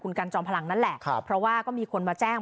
กันจอมพลังนั่นแหละเพราะว่าก็มีคนมาแจ้ง